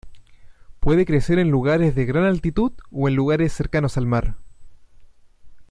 Puede crecer en lugares de gran altitud o en lugares cercanos al mar.